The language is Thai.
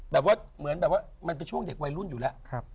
แบบว่าเหมือนแบบว่ามันเป็นช่วงเด็กวัยรุ่นอยู่แล้ว